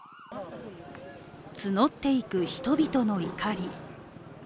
募っていく人々の怒り。